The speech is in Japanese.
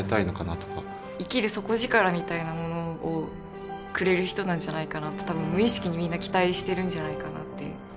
生きる底力みたいなものをくれる人なんじゃないかなって多分無意識にみんな期待してるんじゃないかなって。